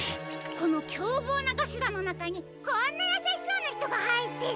このきょうぼうなガスラのなかにこんなやさしそうなひとがはいってるなんて。